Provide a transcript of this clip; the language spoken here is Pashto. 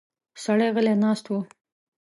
سړی غلی ناست و.